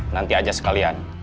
nanti aja sekalian